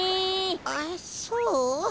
あっそう？